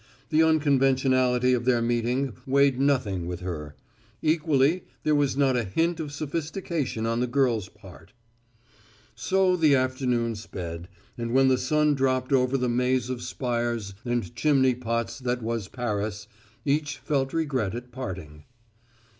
The unconventionality of their meeting weighed nothing with her. Equally there was not a hint of sophistication on the girl's part. So the afternoon sped, and when the sun dropped over the maze of spires and chimney pots that was Paris, each felt regret at parting.